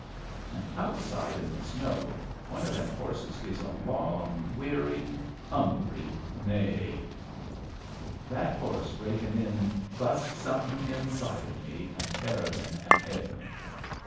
" And outside in the snow one o' them horses gives a long, weary, hungry neigh. That horse breakin' in bust somethin' inside of me and Parrigin and Edmund.